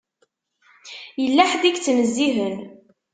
Yella ḥedd i yettnezzihen.